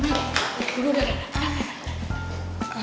dulu udah ada